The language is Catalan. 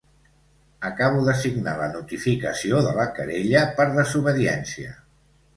Acabo de signar la notificació de la querella per desobediència.